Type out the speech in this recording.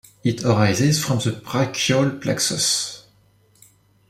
It arises from the brachial plexus.